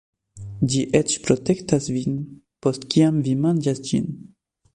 Ĝi eĉ protektas vin post kiam vi manĝas ĝin